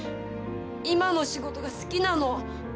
今の仕事が好きなの。